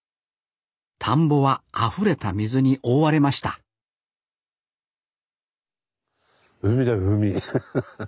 田んぼはあふれた水に覆われました海だよ海。